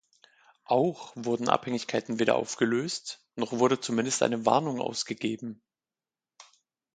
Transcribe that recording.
Auch wurden Abhängigkeiten weder aufgelöst, noch wurde zumindest eine Warnung ausgegeben.